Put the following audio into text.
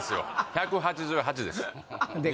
１８８です